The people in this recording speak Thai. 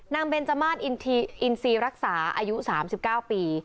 นางเบนเจอร์มาสอินทรีย์รักษาอายุสามสิบเก้าปี